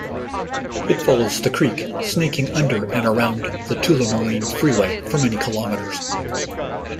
It follows the creek, snaking under and around the Tullamarine Freeway for many kilometres.